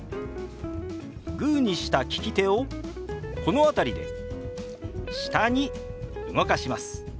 グーにした利き手をこの辺りで下に動かします。